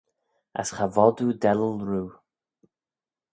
As cha vod oo dellal roo.